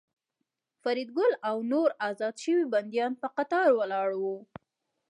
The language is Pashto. فریدګل او نور ازاد شوي بندیان په قطار ولاړ وو